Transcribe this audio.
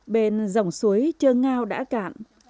bên dòng suối chơ ngao đã cạn